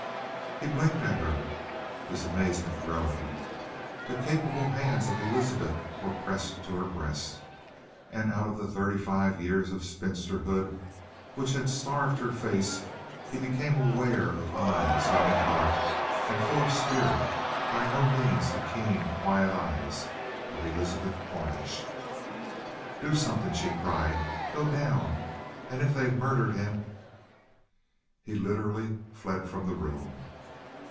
He blinked at her, his amazement growing. The capable hands of Elizabeth were pressed to her breast, and out of the thirty five years of spinsterhood which had starved her face he became aware of eyes young and dark, and full of spirit; by no means the keen, quiet eyes of Elizabeth Cornish. "Do something," she cried. "Go down, and if they've murdered him " He literally fled from the room.